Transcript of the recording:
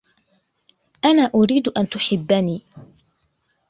أنا أريد أن تُحِبني.